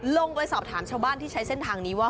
ลงไปสอบถามชาวบ้านที่ใช้เส้นทางนี้ว่า